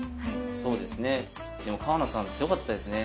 そうですねでも川名さん強かったですね。